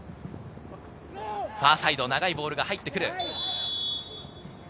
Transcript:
ファーサイド、長いボールが入ってくる。